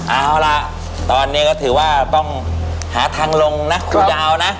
เอาล่ะตอนนี้ก็ถือว่าต้องหาทางลงนะครูดาวนะ